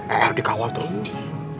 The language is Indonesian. er dikawal terus